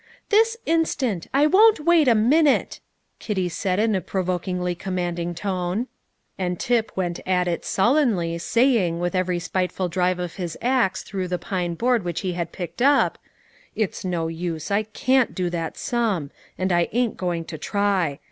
"This instant! I won't wait a minute!" Kitty said in a provokingly commanding tone; and Tip went at it sullenly, saying, with every spiteful drive of his axe through the pine board which he had picked up, "It's no use; I cant do that sum, and I ain't going to try.